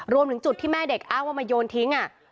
รวมถึงจุดที่แม่เด็กอ้างว่ามาโยนทิ้ง